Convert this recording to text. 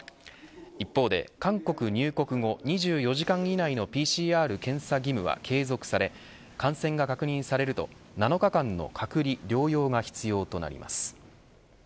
一方で、韓国入国後２４時間以内のＰＣＲ検査義務は継続され感染が確認されると７日間の隔離療養が必要となります。